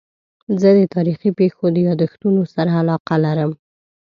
زه د تاریخي پېښو د یادښتونو سره علاقه لرم.